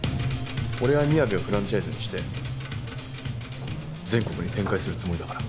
俺はみやべをフランチャイズにして全国に展開するつもりだから。